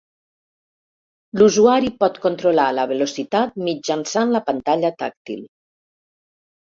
L'usuari pot controlar la velocitat mitjançant la pantalla tàctil.